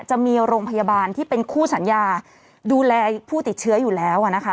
จะมีโรงพยาบาลที่เป็นคู่สัญญาดูแลผู้ติดเชื้ออยู่แล้วนะคะ